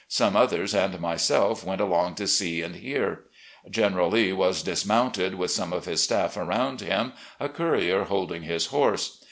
Some others and myself went along to see and hear. General Lee was dismounted with some of his staff around him, a courier holding his horse.